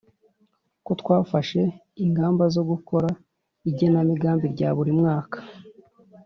ko twafashe ingamba zo gukora igenamigambi rya buri mwaka